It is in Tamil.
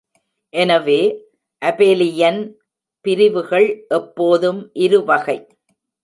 எனவே, அபெலியன் பிரிவுகள் எப்போதும் இருவகை.